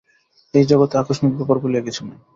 এই জগতে আকস্মিক ব্যাপার বলিয়া কিছু নাই।